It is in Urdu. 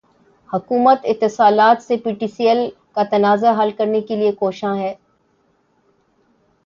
حکومت اتصالات سے پی ٹی سی ایل کا تنازع حل کرنے کیلئے کوشاں